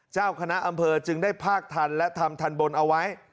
เจ้าคณะอำเภอจึงได้ภาคทันและทำทันบนเอาไว้